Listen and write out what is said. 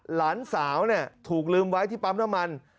หลานสาวถูกลืมไว้ที่ปั๊มน้ำมัน